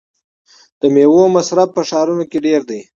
د میوو مصرف په ښارونو کې ډیر دی.